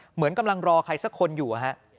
เหมือนกำลังรอใครสักคนอยู่